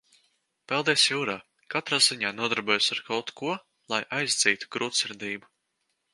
Peldies jūrā, katrā ziņā nodarbojies ar kaut ko, lai aizdzītu grūtsirdību.